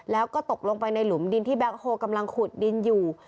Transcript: แล้วก็ตกลงไปในหลุมดินที่แบ็คโฮลกำลังขุดดินอยู่